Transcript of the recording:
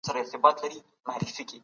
يو ماشوم پنځوس افغانۍ لري.